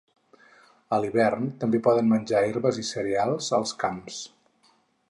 A l'hivern, també poden menjar herbes i cereals als camps.